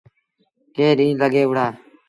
ڪئيٚن ڏيٚݩهݩ لڳي وُهڙآ۔